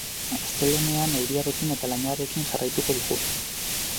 Astelehenean euriarekin eta lainoarekin jarraituko dugu.